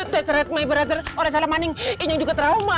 temelam aurait juga dengan kenyataan